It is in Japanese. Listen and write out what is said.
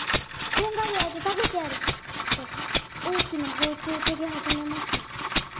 こんがり焼いて食べてやる」と大きな包丁を研ぎ始めました。